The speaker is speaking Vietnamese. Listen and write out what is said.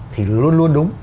thì luôn luôn đúng